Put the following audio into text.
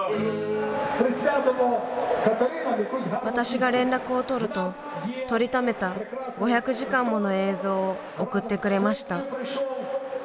私が連絡をとると撮りためた５００時間もの映像を送ってくれました。